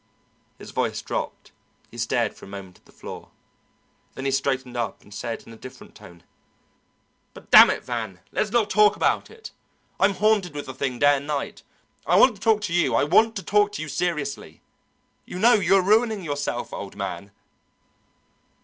His voice dropped, he stared for a moment at the floor. Then he straightened up, and said in a different tone, "But, damn it, Van, let's not talk about it! I'm haunted with the thing day and night. I want to talk to you! I want to talk to you seriously. You know you are ruining yourself, old man!"